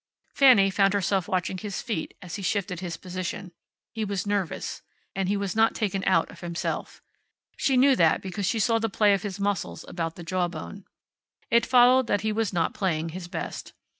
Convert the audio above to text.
Fanny found herself watching his feet as his shifted his position. He was nervous. And he was not taken out of himself. She knew that because she saw the play of his muscles about the jaw bone. It followed that he was not playing his best.